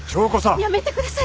やめてください